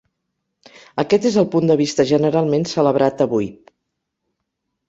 Aquest és el punt de vista generalment celebrat avui.